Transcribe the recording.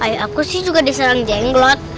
ayo aku sih juga diserang jenglot